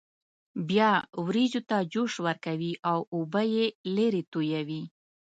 بیا وریجو ته جوش ورکوي او اوبه یې لرې تویوي.